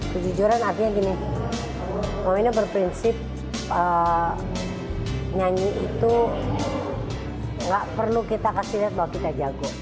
kejujuran artinya gini mamanya berprinsip nyanyi itu nggak perlu kita kasih lihat bahwa kita jago